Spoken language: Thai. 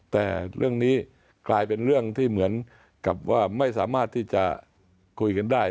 แต่เรื่องนี้กลายเป็นเรื่องที่เหมือนกับว่าไม่สามารถที่จะคุยกันได้